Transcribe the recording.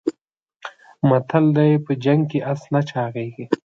متل دی: په جنګ کې اس نه چاغېږي.